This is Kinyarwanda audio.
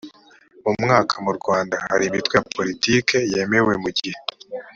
mu mwaka w mu rwanda hari imitwe ya politiki yemewe mu gihe